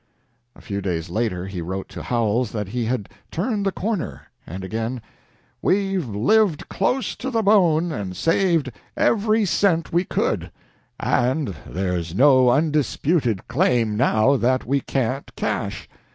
A few days later he wrote to Howells that he had "turned the corner"; and again: "We've lived close to the bone and saved every cent we could, and there's no undisputed claim now that we can't cash